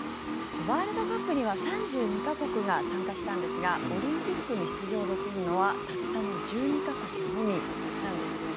ワールドカップには３２か国が参加したんですがオリンピックに出場できるのはたったの１２か国のみなんですよね。